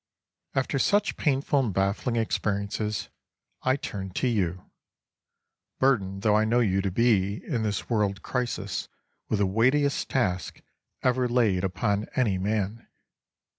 After such painful and baffling experiences, I turn to you—burdened though I know you to be, in this world crisis, with the weightiest task ever laid upon any man.